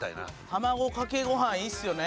卵かけご飯いいっすよね。